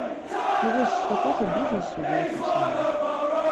Ну вось з такога бізнэсу я і пачынаў.